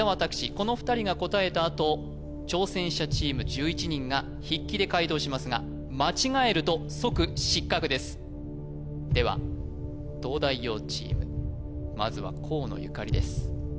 この２人が答えたあと挑戦者チーム１１人が筆記で解答しますが間違えると即失格ですでは東大王チームまずは河野ゆかりです